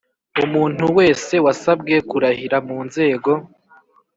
Umuntu wese wasabwe kurahira mu nzego